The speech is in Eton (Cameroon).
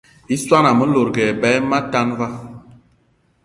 I swan ame lòdgì eba eme atan va